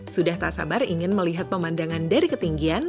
sudah tak sabar ingin melihat pemandangan dari ketinggian